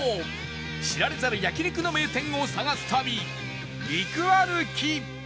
知られざる焼肉の名店を探す旅肉歩き